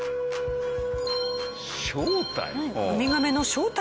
正体？